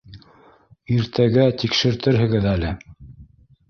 Иртәгә тикшертерһегеҙ әле.